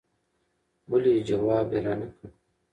ولې ځواب يې را نه کړ